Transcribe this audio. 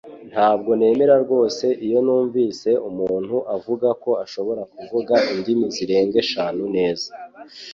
Ntabwo nemera rwose iyo numvise umuntu avuga ko ashobora kuvuga indimi zirenga eshanu neza